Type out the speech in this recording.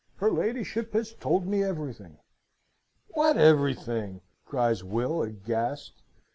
Her ladyship has told me everything." "What everything?" cries Will, aghast.